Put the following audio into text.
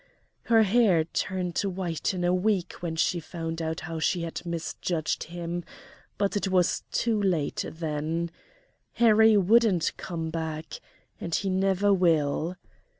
Her hair turned white in a week when she found out how she had misjudged him, but it was too late then Harry wouldn't come back, and he never will.